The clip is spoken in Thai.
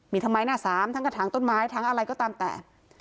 มีทำไมหน้าสามทั้งกระถางต้นไม้ทั้งอะไรก็ตามแต่